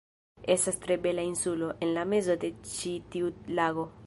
Estas tre bela insulo, en la mezo de ĉi tiu lago